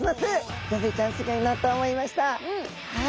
はい。